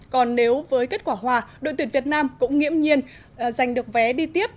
còn nếu với kết quả hòa đội tuyển việt nam cũng nghiễm nhiên giành được vé đi tiếp